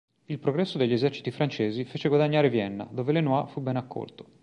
Il progresso degli eserciti francesi fece guadagnare Vienna, dove Lenoir fu ben accolto.